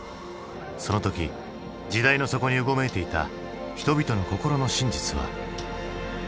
その時時代の底にうごめいていた人々の心の真実は？